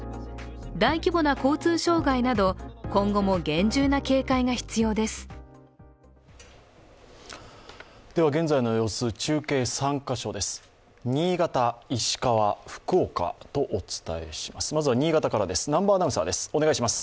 大規模な交通障害など、今後も厳重な警戒が必要です。